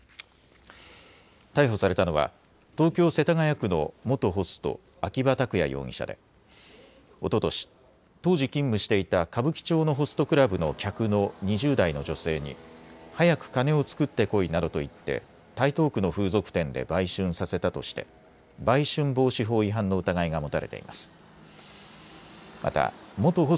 逮捕されたのは東京世田谷区の元ホスト、秋葉拓也容疑者でおととし、当時、勤務していた歌舞伎町のホストクラブの客の２０代の女性に早く金を作ってこいなどと言って台東区の風俗店で売春させたとして売春防止法違反の疑いが持たれています。